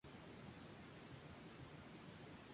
El matrimonio, sin embargo, fue infeliz y no tuvieron hijos.